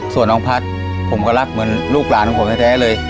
ส่วนน้องพัฒน์ผมก็รักเหมือนลูกหลานของผมแท้เลย